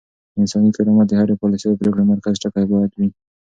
انساني کرامت د هرې پاليسۍ او پرېکړې مرکزي ټکی بايد وي.